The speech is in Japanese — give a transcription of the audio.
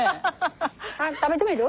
食べてみる？